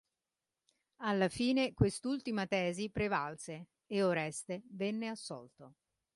Alla fine quest'ultima tesi prevalse e Oreste venne assolto.